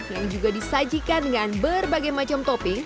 yang juga disajikan dengan berbagai macam topping